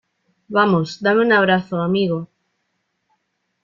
vamos, dame un abrazo , amigo.